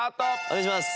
お願いします。